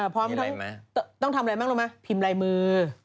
พร้อมทั้งต้องทำอะไรบ้างรู้ไหมพิมพ์ลายมือ